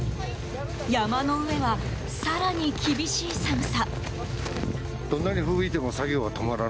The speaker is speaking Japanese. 山の上は、更に厳しい寒さ。